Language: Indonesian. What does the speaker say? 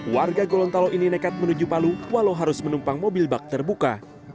warga gorontalo ini nekat menuju palu walau harus menumpang mobil bak terbuka